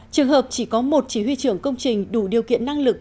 trường hợp chỉ có một chỉ huy trưởng công trình đủ điều kiện năng lực